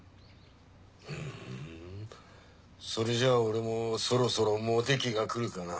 ふんそれじゃ俺もそろそろモテ期がくるかな？